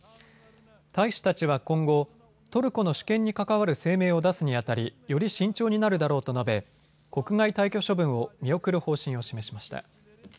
大使たちは今後、トルコの主権に関わる声明を出すにあたりより慎重になるだろうと述べ国外退去処分を見送る方針を示しました。